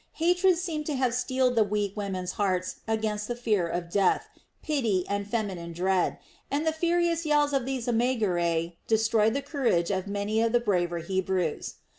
Hatred seemed to have steeled the weak women's hearts against the fear of death, pity, and feminine dread; and the furious yells of these Megaerae destroyed the courage of many of the braver Hebrews.